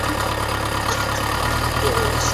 杨朝晟率军迎接张献甫到任。